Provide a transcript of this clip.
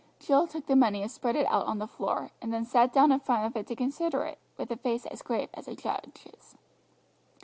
Jill took the money spread it out on the floor, and then sat down in front of it to consider it, with a face as grave as a judge's.